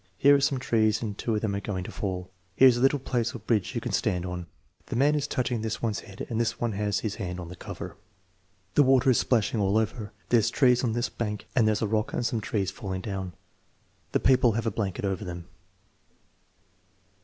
Here are some trees and two of them are going to fall down. Here's a little place or bridge you can stand on. The man is touching this one's head and this one has his hand on the cover." "The water is splashing all over. There's trees on this bank and there's a rock and some trees falling down. The people have a blanket over them.